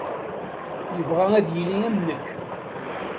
Yebɣa ad yili am nekk.